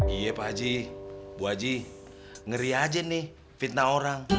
iya pak haji ibu aji ngeri aja nih fitnah orang